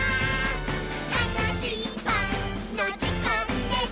「たのしいパンのじかんです！」